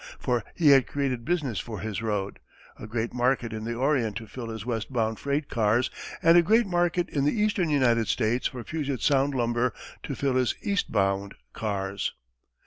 For he had created business for his road a great market in the Orient to fill his west bound freight cars, and a great market in the eastern United States for Puget Sound lumber to fill his east bound cars.